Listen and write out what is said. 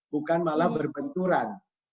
bukan malah berbenturan